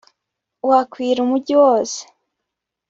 bakwira umugi wose